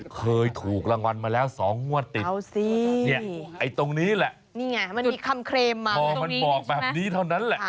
เคยถูกรางวัลมาแล้ว๒งวดติดไอ้ตรงนี้แหละมันบอกแบบนี้เท่านั้นแหละ